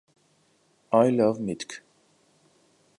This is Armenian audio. Ա՛յ լավ միտք: